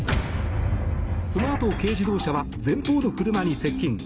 そのあと軽自動車は前方の車に接近。